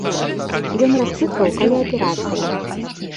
Ён распытваў, калі аперацыя.